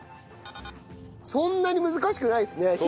そんなに難しくないですね。